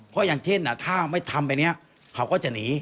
เพราะอย่างเช่นถ้าไม่ทำไปเนี่ยเขาก็จะหนี